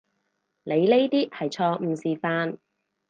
你呢啲係錯誤示範